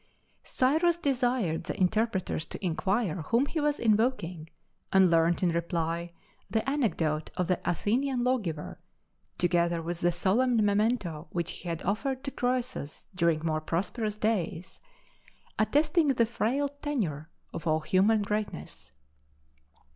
Cyrus desired the interpreters to inquire whom he was invoking, and learnt in reply the anecdote of the Athenian lawgiver, together with the solemn memento which he had offered to Croesus during more prosperous days, attesting the frail tenure of all human greatness.